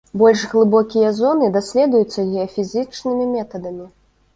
Больш глыбокія зоны даследуюцца геафізічнымі метадамі.